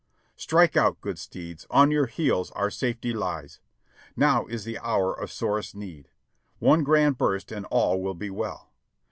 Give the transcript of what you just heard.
Strike out, good steeds, on your heels our safety lies! Now is the hour of sorest need ; one grand burst and all will be well.